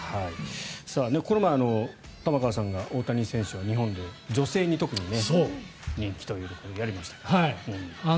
この前玉川さんが、大谷選手を日本で女性に特に人気ということでやりましたが。